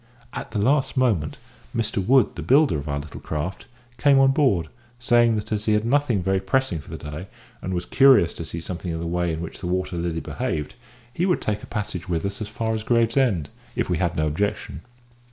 At the last moment Mr Wood, the builder of our little craft, came on board, saying that as he had nothing very pressing for the day, and was curious to see something of the way in which the Water Lily behaved, he would take a passage with us as far as Gravesend, if we had no objection.